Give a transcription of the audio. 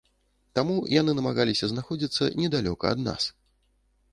Таму, яны намагаліся знаходзіцца недалёка ад нас.